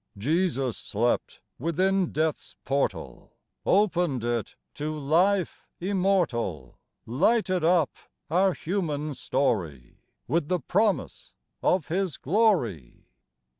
Jesus slept within death's portal ; Opened it to life immortal ; Lighted up our human story With the promise of His glory.